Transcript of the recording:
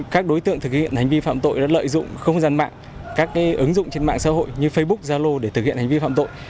các đối tượng thực hiện hành vi phạm tội đã lợi dụng không gian mạng các ứng dụng trên mạng xã hội như facebook zalo để thực hiện hành vi phạm tội